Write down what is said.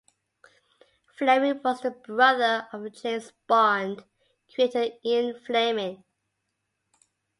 Fleming was the brother of the James Bond creator Ian Fleming.